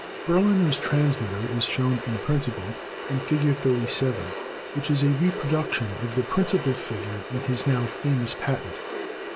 Berliner's transmitter is shown in principle in Fig. 37,, which is a reproduction of the principal figure in his now 270 ELECTRICITY famous patent.